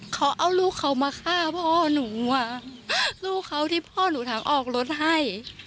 เขาเอาลูกเขามาฆ่าพ่อหนูอ่ะลูกเขาที่พ่อหนูทั้งออกรถให้